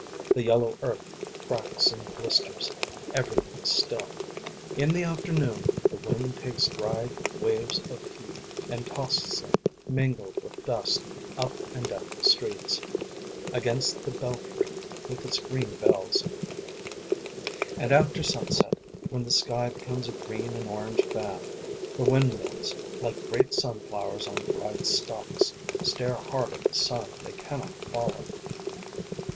The yellow earth cracks and blisters. Everything is still. In the afternoon The wind takes dry waves of heat and tosses them, Mingled with dust, up and down the streets, Against the belfry with its green bells: And, after sunset, when the sky Becomes a green and orange fan, The windmills, like great sunflowers on dried stalks, Stare hard at the sun they cannot follow.